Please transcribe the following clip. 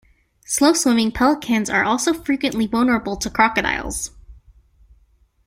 Slow-swimming pelicans are also frequently vulnerable to crocodiles.